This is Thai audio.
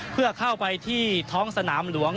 เพื่อเข้าไปที่ท้องสนามหลวง